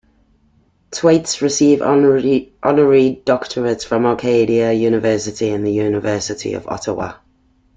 Twaits received honorary doctorates from Acadia University and the University of Ottawa.